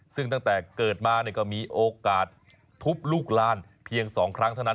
ซึ่งตั้งแต่เกิดมาก็มีโอกาสทุบลูกลานเพียง๒ครั้งเท่านั้น